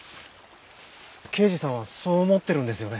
刑事さんはそう思ってるんですよね？